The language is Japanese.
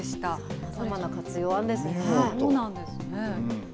さまざまな活用があるんですね。